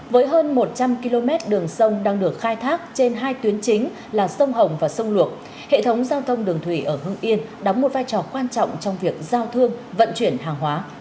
với hơn một trăm linh km đường sông đang được khai thác trên hai tuyến chính là sông hồng và sông luộc hệ thống giao thông đường thủy ở hưng yên đóng một vai trò quan trọng trong việc giao thương vận chuyển hàng hóa